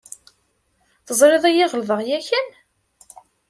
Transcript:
Teẓriḍ-iyi ɣelḍeɣ yakan?